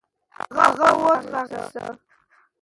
هغه و ځغاستی .